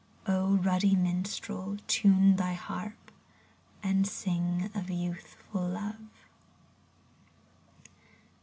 ruddy minstrel, time thy harp. And sing of Youthful Love